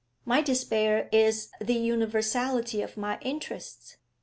My despair is the universality of my interests.